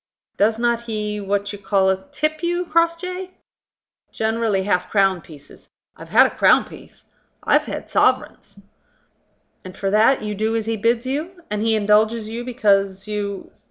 Does not he what you call tip you, Crossjay?" "Generally half crown pieces. I've had a crown piece. I've had sovereigns." "And for that you do as he bids you? And he indulges you because you